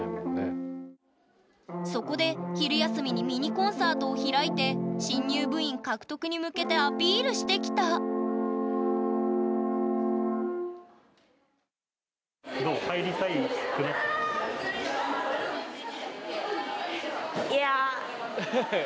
そこで昼休みにミニコンサートを開いて新入部員獲得に向けてアピールしてきたウフフッ！